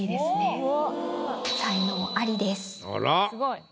すごい。